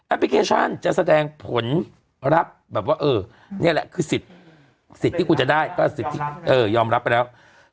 แอปพลิเคชันจะแสดงผลรับแบบว่าเออเนี่ยแหละคือสิทธิ์สิทธิ์ที่กูจะได้ยอมรับไปแล้ว